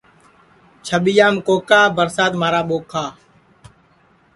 چھٻِیام کوکا برسات مھارا ٻوکھا